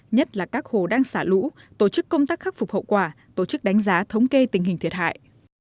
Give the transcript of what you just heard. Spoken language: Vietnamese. nhất là các hồ đang xả lũ tổ chức công tác khắc phục hậu quả tổ chức đánh giá thống kê tình hình thiệt hại